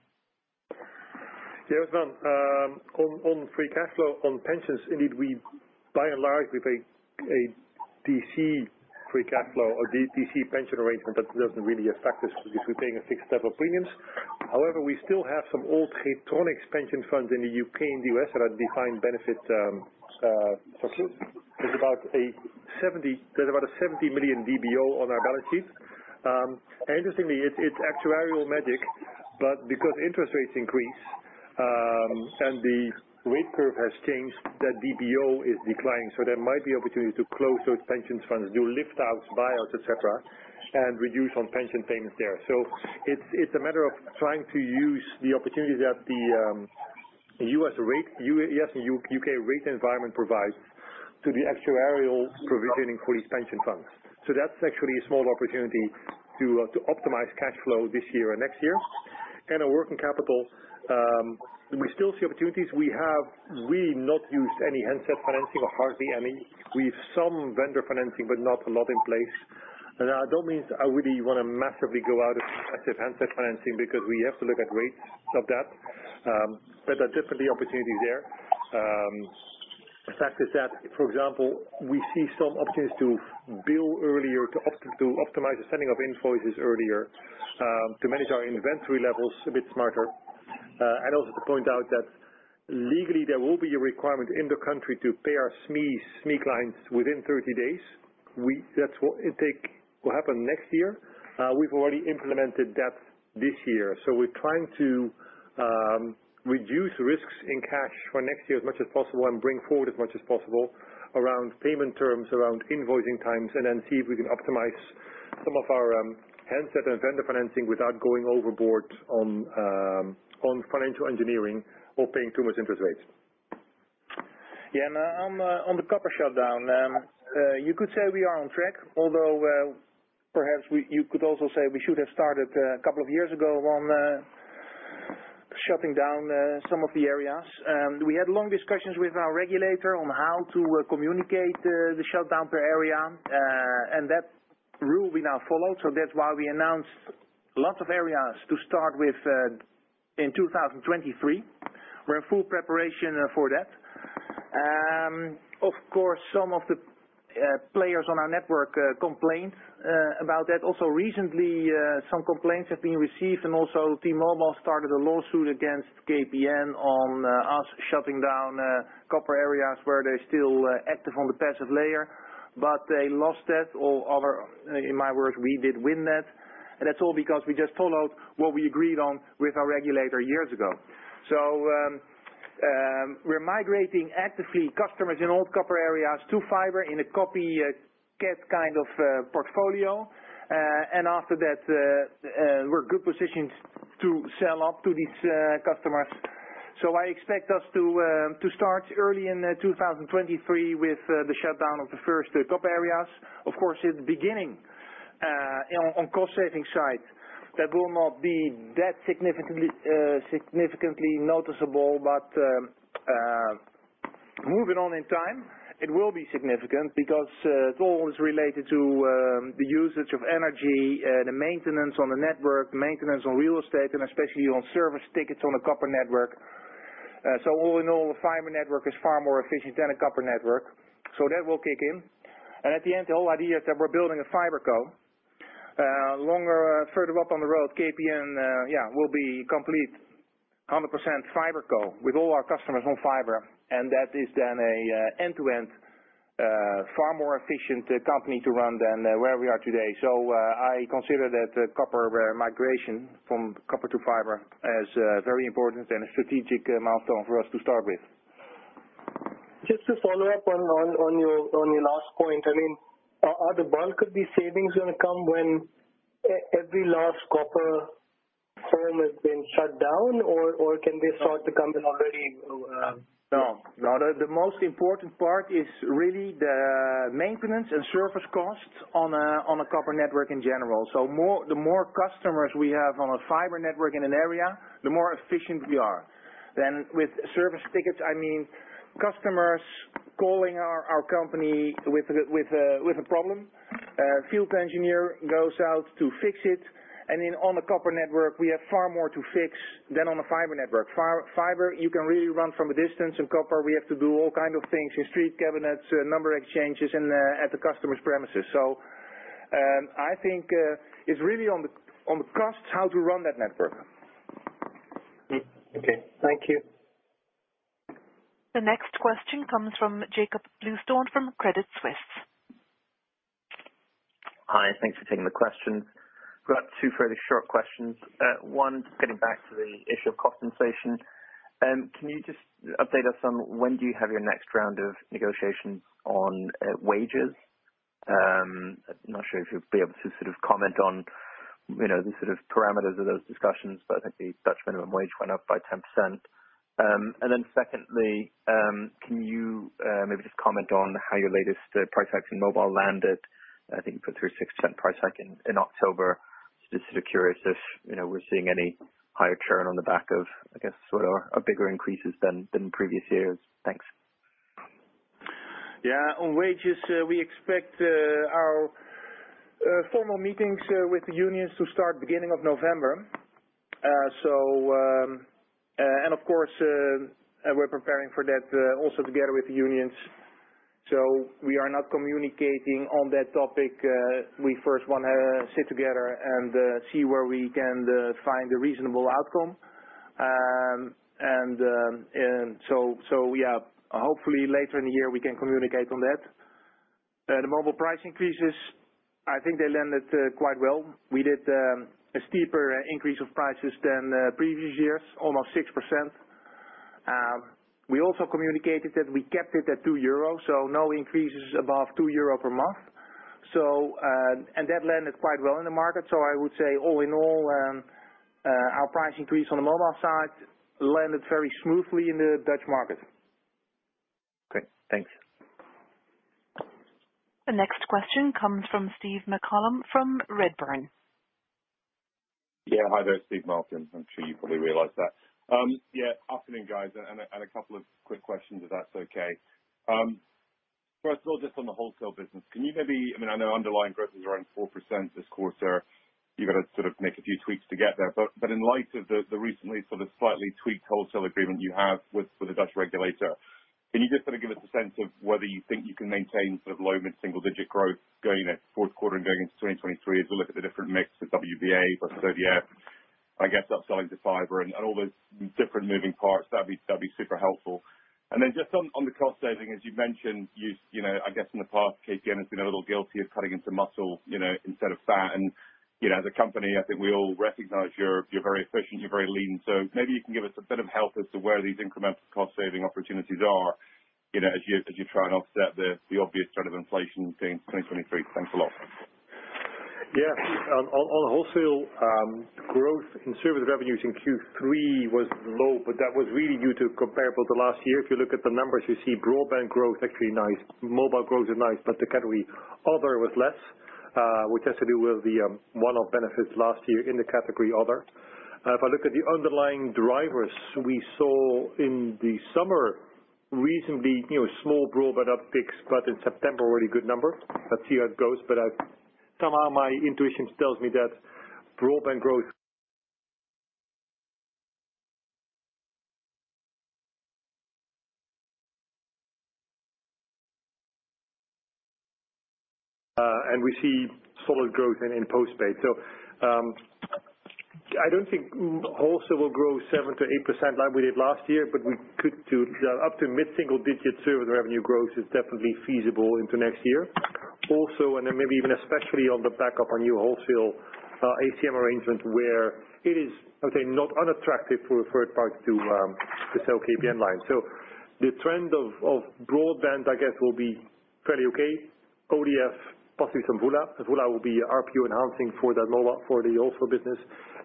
Yes, on free cash flow on pensions, indeed, we by and large, we pay a DC free cash flow or DC pension arrangement, that doesn't really affect us because we're paying a fixed set of premiums. However, we still have some old Getronics pension funds in the U.K. and the U.S. that are defined benefit, for us. There's about a 70 million DBO on our balance sheet. Interestingly, it's actuarial magic, but because interest rates increase, and the rate curve has changed, that DBO is declining. There might be opportunity to close those pension funds, do lift outs, buyouts, et cetera, and reduce on pension payments there. It's a matter of trying to use the opportunities that the U.S. rate, U.S. and U.K. rate environment provides to the actuarial provisioning for these pension funds. That's actually a small opportunity to optimize cash flow this year and next year. Our working capital, we still see opportunities. We have really not used any handset financing or hardly any. We've some vendor financing, but not a lot in place. That don't mean I really want to massively go out of active handset financing because we have to look at rates of that. But there are definitely opportunities there. The fact is that, for example, we see some opportunities to bill earlier, to optimize the sending of invoices earlier, to manage our inventory levels a bit smarter. And also to point out that legally there will be a requirement in the country to pay our SME clients within 30 days. That's what it take will happen next year. We've already implemented that this year, so we're trying to reduce risks in cash for next year as much as possible and bring forward as much as possible around payment terms, around invoicing times, and then see if we can optimize some of our handset and vendor financing without going overboard on financial engineering or paying too much interest rates. Yeah. On the copper shutdown, you could say we are on track, although perhaps you could also say we should have started a couple of years ago on shutting down some of the areas. We had long discussions with our regulator on how to communicate the shutdown per area. That rule we now follow. That's why we announced lots of areas to start with in 2023. We're in full preparation for that. Of course, some of the players on our network complained about that. Also recently, some complaints have been received, and also T-Mobile started a lawsuit against KPN on us shutting down copper areas where they're still active on the passive layer, but they lost that, or rather, in my words, we did win that. That's all because we just followed what we agreed on with our regulator years ago. We're migrating actively customers in old copper areas to fiber in a copycat kind of portfolio. After that, we're well positioned to upsell to these customers. I expect us to start early in 2023 with the shutdown of the first copper areas. Of course, in the beginning, on the cost saving side, that will not be that significantly noticeable. Moving on in time, it will be significant because it's always related to the usage of energy, the maintenance on the network, maintenance on real estate, and especially on service tickets on the copper network. All in all, the fiber network is far more efficient than a copper network. That will kick in. At the end, the whole idea is that we're building a fiber co. longer, further up on the road, KPN, yeah, will be completely 100% fiber co with all our customers on fiber. That is then an end-to-end, far more efficient company to run than where we are today. I consider that copper migration from copper to fiber as very important and a strategic milestone for us to start with. Just to follow up on your last point, I mean, are the bulk of these savings gonna come when every last copper firm has been shut down or can they start to come in already? No. The most important part is really the maintenance and service costs on a copper network in general. The more customers we have on a fiber network in an area, the more efficient we are. With service tickets, I mean, customers calling our company with a problem. A field engineer goes out to fix it. On a copper network, we have far more to fix than on a fiber network. Fiber you can really run from a distance. In copper, we have to do all kind of things in street cabinets, main exchanges, at the customer's premises. I think it's really on the costs how to run that network. Okay. Thank you. The next question comes from Jakob Bluestone from Credit Suisse. Hi, thanks for taking the question. Got two fairly short questions. One, getting back to the issue of cost inflation. Can you just update us on when you have your next round of negotiations on wages? I'm not sure if you'll be able to sort of comment on, you know, the sort of parameters of those discussions, but I think the Dutch minimum wage went up by 10%. Secondly, can you maybe just comment on how your latest price hike in mobile landed? I think you put through 6% price hike in October. Just sort of curious if, you know, we're seeing any higher churn on the back of, I guess, what are a bigger increases than previous years. Thanks. Yeah. On wages, we expect our formal meetings with the unions to start beginning of November. Of course, we're preparing for that, also together with the unions. We are not communicating on that topic. We first wanna sit together and see where we can find a reasonable outcome. Yeah. Hopefully later in the year we can communicate on that. The mobile price increases, I think they landed quite well. We did a steeper increase of prices than previous years, almost 6%. We also communicated that we kept it at 2 euros, so no increases above 2 euro per month. That landed quite well in the market. I would say all in all, our price increase on the mobile side landed very smoothly in the Dutch market. Okay, thanks. The next question comes from Stephen Malcolm from Redburn. Yeah. Hi there. Stephen Malcolm. I'm sure you probably realized that. Yeah, afternoon guys. A couple of quick questions if that's okay. First of all, just on the wholesale business, can you maybe, I mean, I know underlying growth is around 4% this quarter. You're gonna sort of make a few tweaks to get there. In light of the recently sort of slightly tweaked wholesale agreement you have with the Dutch regulator, can you just kind of give us a sense of whether you think you can maintain sort of low mid-single digit growth going into Q4 and going into 2023? As we look at the different mix of WBA versus ODF, I guess upselling to fiber and all those different moving parts, that'd be super helpful. Just on the cost saving, as you've mentioned, you know, I guess in the past KPN has been a little guilty of cutting into muscle, you know, instead of fat. You know, as a company, I think we all recognize you're very efficient, you're very lean. Maybe you can give us a bit of help as to where these incremental cost saving opportunities are, you know, as you try and offset the obvious sort of inflation in 2023. Thanks a lot. Yeah. On wholesale, growth in service revenues in Q3 was low, but that was really due to comparables to last year. If you look at the numbers, you see broadband growth actually nice. Mobile growth is nice, but the category other was less, which has to do with the one-off benefits last year in the category other. If I look at the underlying drivers, we saw in the summer reasonably, you know, small broadband upticks, but in September already good number. Let's see how it goes. Somehow my intuition tells me that broadband growth. And we see solid growth in postpaid. I don't think wholesale will grow 7%-8% like we did last year, but we could do up to mid-single-digit service revenue growth, is definitely feasible into next year. Maybe even especially on the back of our new wholesale ACM arrangement, where it is okay not unattractive for a third party to sell KPN line. The trend of broadband, I guess, will be fairly okay. ODF, possibly some VULA. VULA will be ARPU enhancing for that mobile, for the wholesale business,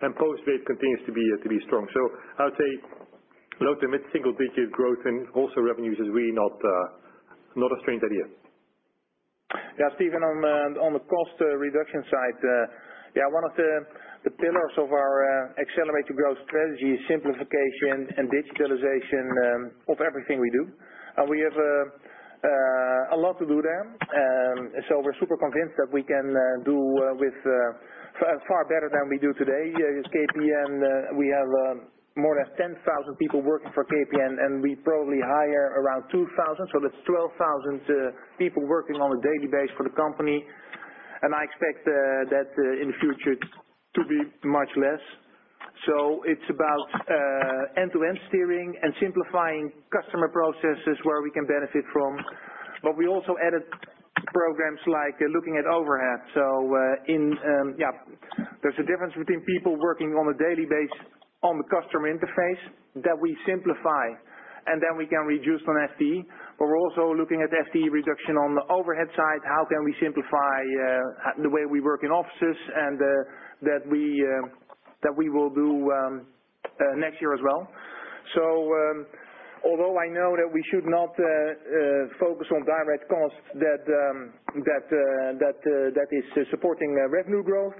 and postpaid continues to be strong. I would say low- to mid-single-digit growth in wholesale revenues is really not a strange idea. Yeah, Steve, on the cost reduction side, one of the pillars of our accelerate to growth strategy is simplification and digitalization of everything we do. We have a lot to do there. We're super convinced that we can do far better than we do today. Here at KPN, we have more or less 10,000 people working for KPN, and we probably hire around 2,000, so that's 12,000 people working on a daily basis for the company. I expect that in the future to be much less. It's about end-to-end steering and simplifying customer processes where we can benefit from. We also added programs like looking at overhead. There's a difference between people working on a daily basis on the customer interface that we simplify, and then we can reduce on FTE. We're also looking at FTE reduction on the overhead side, how can we simplify the way we work in offices and that we will do next year as well. Although I know that we should not focus on direct costs that is supporting revenue growth,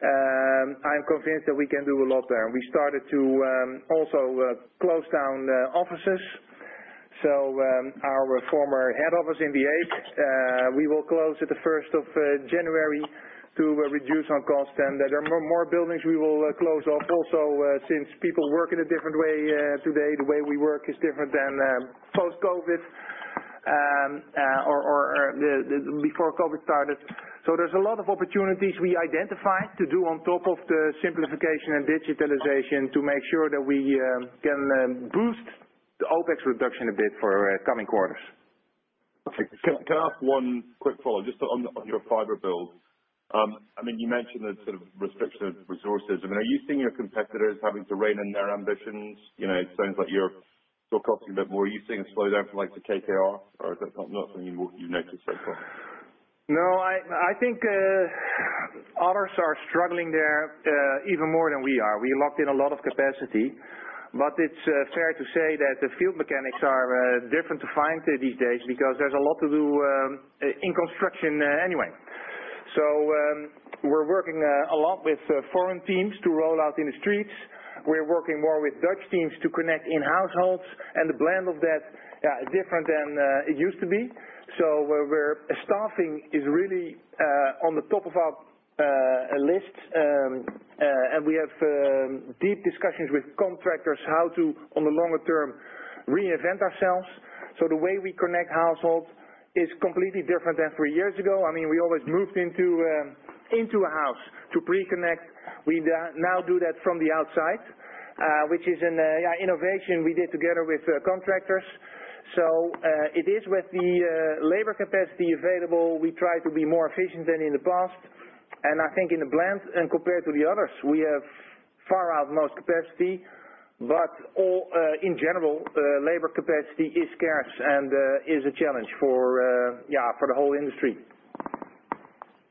I'm convinced that we can do a lot there. We started to also close down offices. Our former head office in The Hague, we will close at the first of January to reduce our costs. There are more buildings we will close off also, since people work in a different way today. The way we work is different than post-COVID or before COVID started. There's a lot of opportunities we identified to do on top of the simplification and digitalization to make sure that we can boost the OpEx reduction a bit for coming quarters. Perfect. Can I ask one quick follow, just on your fiber build? I mean, you mentioned the sort of restriction of resources. I mean, are you seeing your competitors having to rein in their ambitions? You know, it sounds like you're still costing a bit more. Are you seeing it slow down for, like, the KKR, or is that not something you've noticed so far? No, I think others are struggling there, even more than we are. We locked in a lot of capacity. It's fair to say that the field mechanics are different today because there's a lot to do in construction, anyway. We're working a lot with foreign teams to roll out in the streets. We're working more with Dutch teams to connect in households, and the blend of that is different than it used to be. Staffing is really at the top of our list, and we have deep discussions with contractors how to, in the longer term, reinvent ourselves. The way we connect households is completely different than three years ago. I mean, we always moved into a house to pre-connect. We now do that from the outside, which is an innovation we did together with contractors. It is with the labor capacity available, we try to be more efficient than in the past. I think in the blend, and compared to the others, we have by far the most capacity, but overall in general, labor capacity is scarce and is a challenge for the whole industry.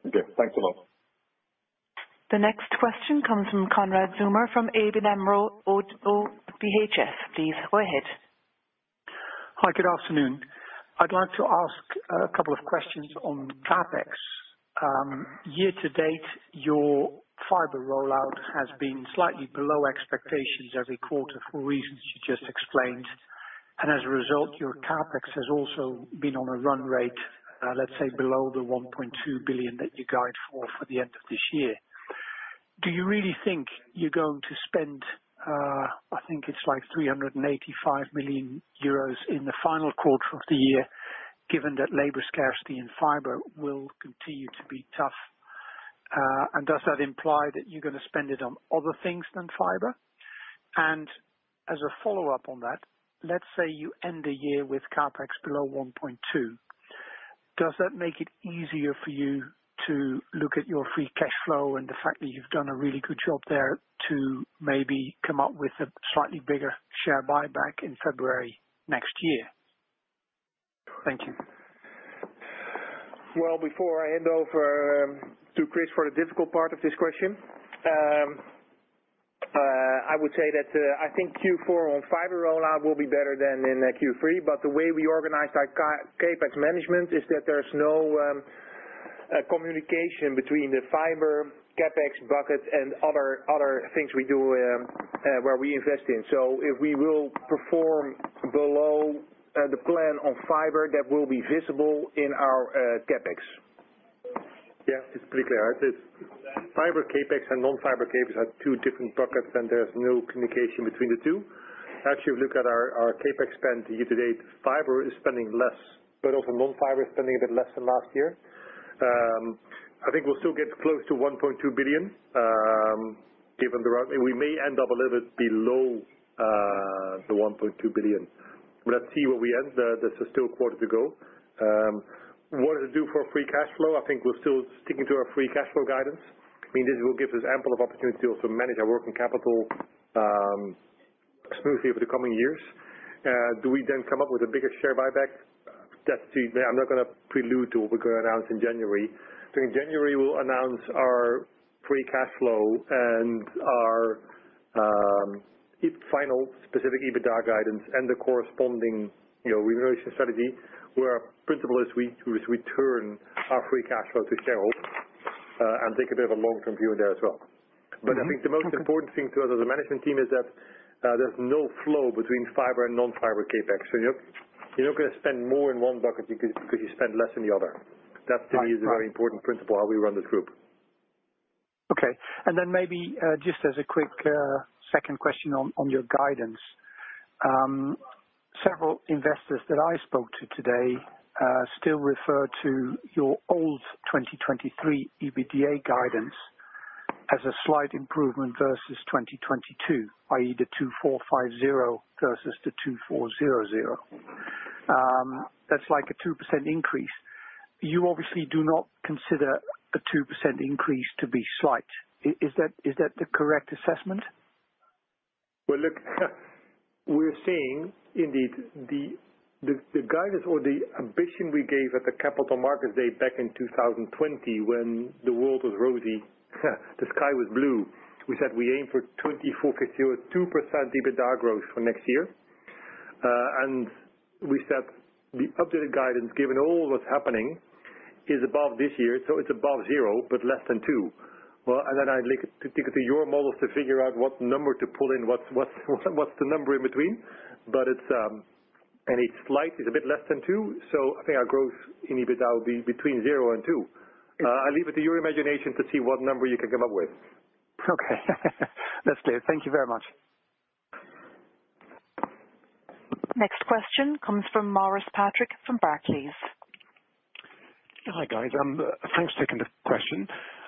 Okay. Thanks a lot. The next question comes from Konrad Zomer, ABN AMRO - ODDO BHF. Please go ahead. Hi. Good afternoon. I'd like to ask a couple of questions on CapEx. Year to date, your fiber rollout has been slightly below expectations every quarter, for reasons you just explained. As a result, your CapEx has also been on a run rate, let's say below the 1.2 billion that you guide for the end of this year. Do you really think you're going to spend, I think it's like 385 million euros in the final quarter of the year, given that labor scarcity and fiber will continue to be tough? And does that imply that you're gonna spend it on other things than fiber? As a follow-up on that, let's say you end the year with CapEx below 1.2 billion. Does that make it easier for you to look at your free cash flow and the fact that you've done a really good job there to maybe come up with a slightly bigger share buyback in February next year? Thank you. Well, before I hand over to Chris for the difficult part of this question, I would say that I think Q4 on fiber rollout will be better than in Q3. The way we organize our CapEx management is that there's no communication between the fiber CapEx bucket and other things we do where we invest in. If we will perform below the plan on fiber, that will be visible in our CapEx. Yeah. It's pretty clear. The fiber CapEx and non-fiber CapEx are two different buckets, and there's no communication between the two. As you look at our CapEx spend year-to-date, fiber is spending less. Also non-fiber is spending a bit less than last year. I think we'll still get close to 1.2 billion, given the run, and we may end up a little bit below the 1.2 billion. Let's see where we end. There's still a quarter to go. What does it do for our free cash flow? I think we're still sticking to our free cash flow guidance. I mean, this will give us ample of opportunity to also manage our working capital smoothly over the coming years. Do we then come up with a bigger share buyback? I'm not gonna prelude to what we're gonna announce in January. In January, we'll announce our free cash flow and our e-final specific EBITDA guidance and the corresponding remuneration strategy, where our principle is we return our free cash flow to shareholders and take a bit of a long-term view there as well. Mm-hmm. Okay. I think the most important thing to us as a management team is that there's no flow between fiber and non-fiber CapEx. You're not gonna spend more in one bucket because you spend less in the other. Right. Right. That to me is a very important principle how we run the group. Okay. Maybe just as a quick second question on your guidance. Several investors that I spoke to today still refer to your old 2023 EBITDA guidance as a slight improvement versus 2022, i.e. the 2,450 versus the 2,400. That's like a 2% increase. You obviously do not consider a 2% increase to be slight. Is that the correct assessment? Well, look, we're saying indeed the guidance or the ambition we gave at the Capital Markets Day back in 2020, when the world was rosy, the sky was blue. We said we aim for 24% to 2% EBITDA growth for next year. We said the updated guidance, given all that's happening, is above this year, so it's above 0%, but less than 2%. I'd leave it to your models to figure out what number to pull in, what's the number in between. It's slight. It's a bit less than 2%, so I think our growth in EBITDA will be between 0% and 2%. I leave it to your imagination to see what number you can come up with. Okay. That's clear. Thank you very much. Next question comes from Maurice Patrick from Barclays. Hi, guys. Thanks for taking the question.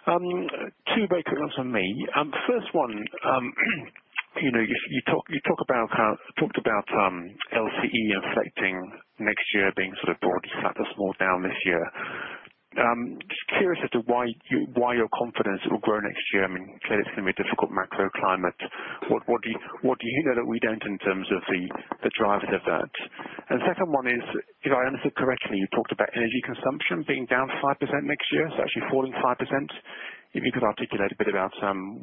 Two very quick ones from me. First one, you know, you talked about LCE inflation next year being sort of broadly flat or slightly down this year. Just curious as to why you're confident it will grow next year. I mean, clearly it's gonna be a difficult macro climate. What do you know that we don't in terms of the drivers of that? Second one is, if I understood correctly, you talked about energy consumption being down 5% next year, so actually falling 5%. If you could articulate a bit about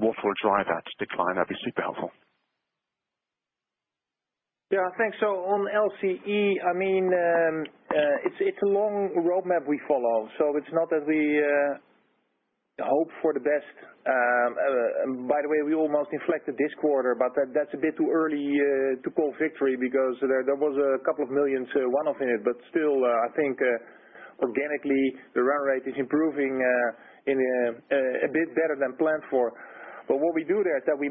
what will drive that decline, that'd be super helpful. Yeah, thanks. On LCE, it's a long roadmap we follow. It's not that we hope for the best. By the way, we almost inflected this quarter, but that's a bit too early to call victory because there was 2 million, so one-off in it. Still, I think organically the run rate is improving in a bit better than planned for. What we do there is that we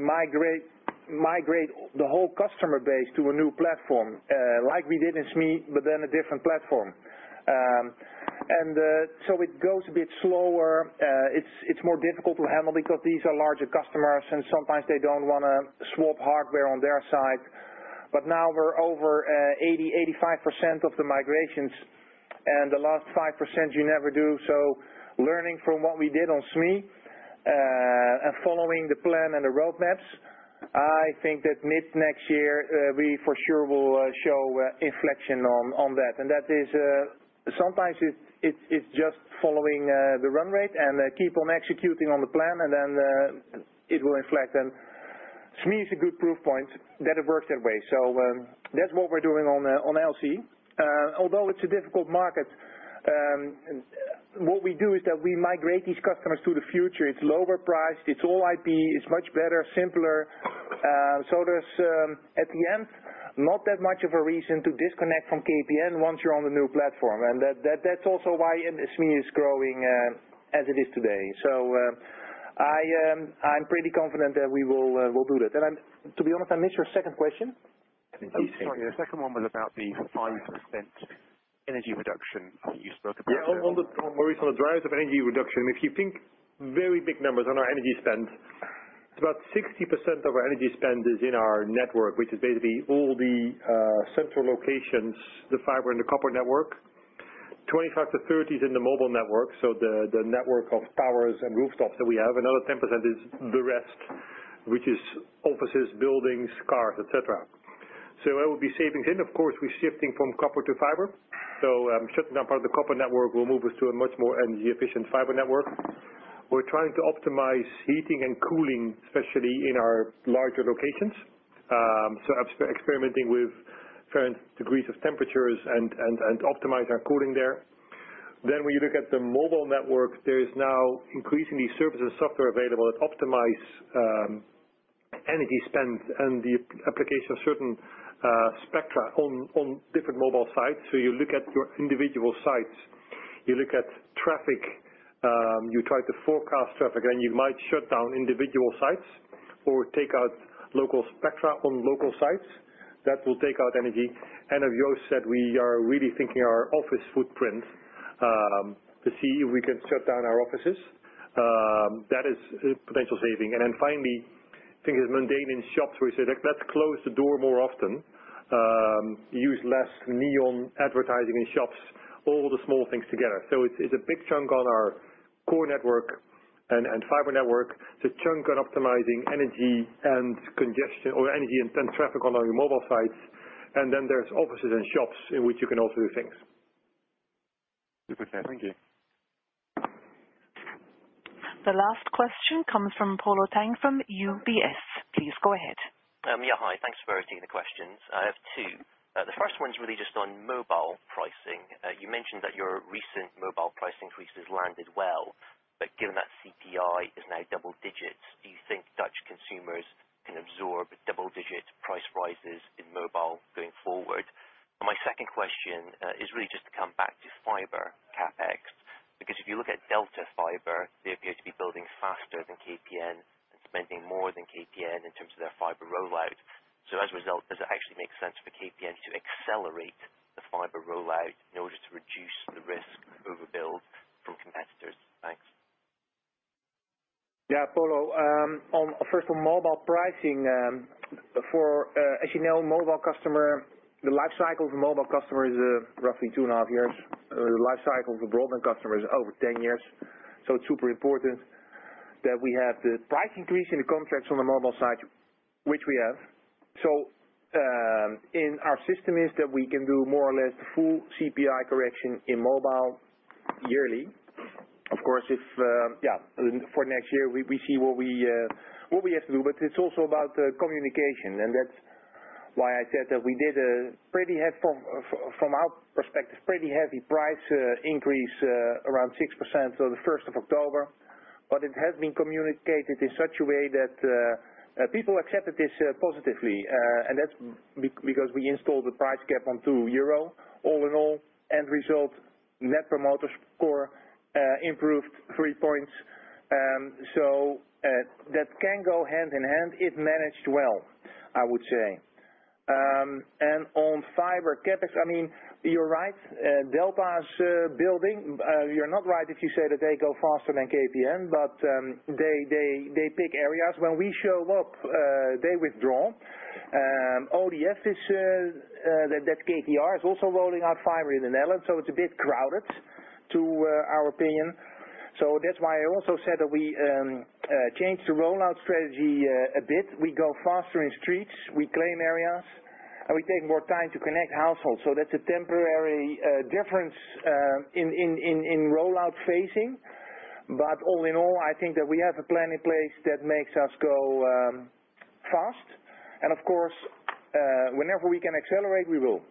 migrate the whole customer base to a new platform, like we did in SME, but then a different platform. It goes a bit slower. It's more difficult to handle because these are larger customers, and sometimes they don't wanna swap hardware on their side. Now we're over 85% of the migrations, and the last 5% you never do. Learning from what we did on SME, and following the plan and the roadmaps, I think that mid-next year, we for sure will show inflection on that. That is, sometimes it's just following the run rate and keep on executing on the plan, and then it will inflect. SME is a good proof point that it works that way. That's what we're doing on LCE. Although it's a difficult market, what we do is that we migrate these customers to the future. It's lower priced, it's all IP, it's much better, simpler. There's at the end, not that much of a reason to disconnect from KPN once you're on the new platform. That's also why SME is growing as it is today. I'm pretty confident that we will do that. To be honest, I missed your second question. Oh, sorry. The second one was about the 5% energy reduction that you spoke about. Yeah. Maurice, on the drivers of energy reduction. If you think very big numbers on our energy spend, it's about 60% of our energy spend is in our network, which is basically all the central locations, the fiber and the copper network. 25-30% is in the mobile network, so the network of towers and rooftops that we have. Another 10% is the rest, which is offices, buildings, cars, et cetera. Where we'll be saving then, of course, we're shifting from copper to fiber. Shutting down part of the copper network will move us to a much more energy-efficient fiber network. We're trying to optimize heating and cooling, especially in our larger locations. Experimenting with different degrees of temperatures and optimize our cooling there. When you look at the mobile network, there is now increasingly services software available that optimize energy spend and the application of certain spectra on different mobile sites. You look at your individual sites, you look at traffic, you try to forecast traffic, and you might shut down individual sites or take out local spectra on local sites. That will take out energy. As Joost said, we are really thinking our office footprint to see if we can shut down our offices. That is a potential saving. Finally, I think it's mundane in shops, we say, "Let's close the door more often. Use less neon advertising in shops." All the small things together. It's a big chunk on our core network and fiber network. It's a chunk on optimizing energy and congestion or energy and traffic on our mobile sites. There's offices and shops in which you can also do things. Super clear. Thank you. The last question comes from Polo Tang from UBS. Please go ahead. Yeah. Hi. Thanks for taking the questions. I have two. The first one's really just on mobile pricing. You mentioned that your recent mobile price increases landed well, but given that CPI is now double digits, do you think Dutch consumers can absorb double-digit price rises in mobile going forward? My second question is really just to come back to fiber CapEx. Because if you look at Delta Fiber, they appear to be building faster than KPN and spending more than KPN in terms of their fiber rollout. So as a result, does it actually make sense for KPN to accelerate the fiber rollout in order to reduce the risk of overbuild from competitors? Thanks. Yeah, Polo. On first on mobile pricing, for as you know, mobile customer, the life cycle of a mobile customer is roughly 2.5 years. The life cycle of a broadband customer is over 10 years. It's super important that we have the price increase in the contracts on the mobile side, which we have. In our system is that we can do more or less the full CPI correction in mobile yearly. Of course, if yeah, for next year, we see what we have to do, but it's also about communication. That's why I said that we did a pretty heavy, from our perspective, pretty heavy price increase around 6% on the 1st October. It has been communicated in such a way that people accepted this positively. That's because we installed the price cap on 2 euro all in all. End result, Net Promoter Score improved three points. That can go hand in hand if managed well, I would say. On fiber CapEx, I mean, you're right, Delta is building. You're not right if you say that they go faster than KPN, but they pick areas. When we show up, they withdraw. ODF, that's KKR, is also rolling out fiber in the Netherlands, so it's a bit crowded in our opinion. That's why I also said that we changed the rollout strategy a bit. We go faster in streets, we claim areas, and we take more time to connect households. That's a temporary difference in rollout phasing. All in all, I think that we have a plan in place that makes us go fast. Of course, whenever we can accelerate, we will.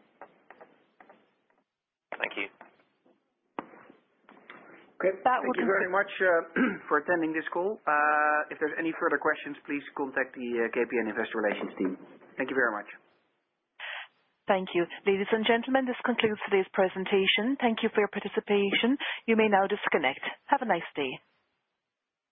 Thank you. Okay. Thank you very much for attending this call. If there's any further questions, please contact the KPN Investor Relations team. Thank you very much. Thank you. Ladies and gentlemen, this concludes today's presentation. Thank you for your participation. You may now disconnect. Have a nice day.